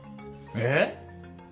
えっ！？